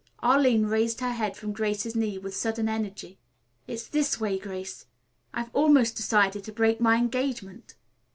Arline raised her head from Grace's knee with sudden energy. "It's this way, Grace. I have almost decided to break my engagement."